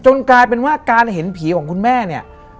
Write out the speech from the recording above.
กลายเป็นว่าการเห็นผีของคุณแม่เนี่ย